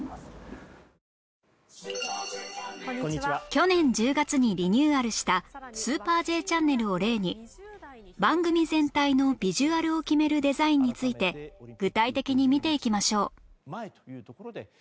去年１０月にリニューアルした『スーパー Ｊ チャンネル』を例に番組全体のビジュアルを決めるデザインについて具体的に見ていきましょう